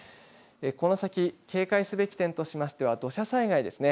この先、警戒すべき点としましては土砂災害ですね。